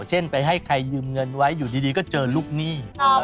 เช่นไปให้ใครยืมเงินไว้อยู่ดีก็เจอลูกหนี้